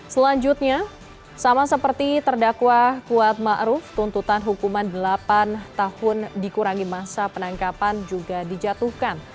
selanjutnya sama seperti terdakwa kuat ⁇ maruf ⁇ tuntutan hukuman delapan tahun dikurangi masa penangkapan juga dijatuhkan